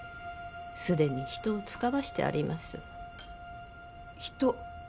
既に人を遣わしてあります人？